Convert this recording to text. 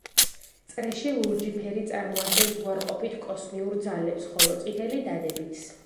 წრეში ლურჯი ფერი წარმოადგენს უარყოფით კოსმიურ ძალებს ხოლო წითელი დადებითს.